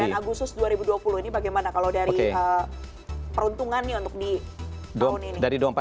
ini bagaimana kalau dari peruntungan untuk di tahun ini